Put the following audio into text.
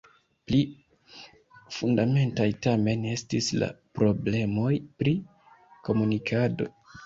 Pli fundamentaj tamen estis la problemoj pri komunikado.